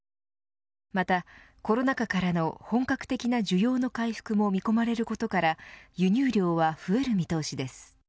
また、コロナ禍からの本格的な需要の回復も見込まれることから輸入量は増える見通しです。